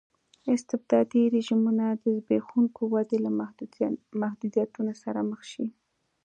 استبدادي رژیمونه د زبېښونکې ودې له محدودیتونو سره مخ شي.